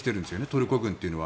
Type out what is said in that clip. トルコ軍は。